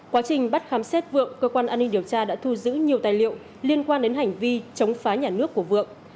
quá trình bắt khám xét vượng cơ quan an ninh điều tra đã thu giữ nhiều tài liệu liên quan đến hành vi chống phá nhà nước của vượng